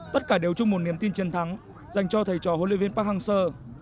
tất cả đều chung một niềm tin chiến thắng dành cho thầy trò huấn luyện viên park hang seo